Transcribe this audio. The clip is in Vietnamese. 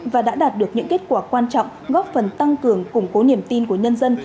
và đã đạt được những kết quả quan trọng góp phần tăng cường củng cố niềm tin của nhân dân